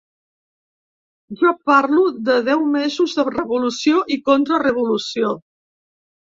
Jo parlo de deu mesos de revolució i contrarevolució.